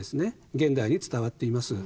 現代に伝わっています。